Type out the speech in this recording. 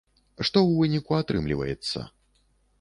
Што ў выніку атрымліваецца?